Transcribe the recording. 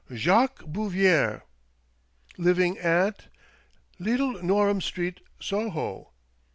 " Jacques Bouvier." "Living at ?" "Little Norham Street, Soho."